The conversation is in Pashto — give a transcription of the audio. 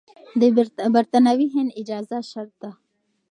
د برتانوي هند اجازه شرط ده.